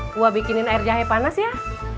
gue bikinin air jahe panas ya